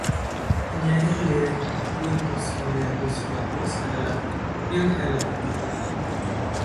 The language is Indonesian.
Penyair lirik Quintus Horatius Flaccus adalah philhellene.